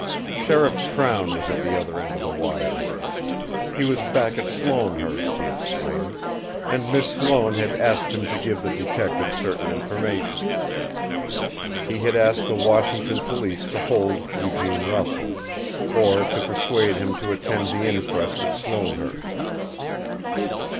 Sheriff Crown was at the other end of the wire. He was back at Sloanehurst, he explained, and Miss Sloane had asked him to give the detective certain information: He had asked the Washington police to hold Eugene Russell, or to persuade him to attend the inquest at Sloanehurst.